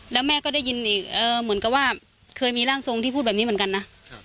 แล้วแม่ก็ได้ยินอีกเหมือนกับว่าเคยมีร่างทรงที่พูดแบบนี้เหมือนกันนะ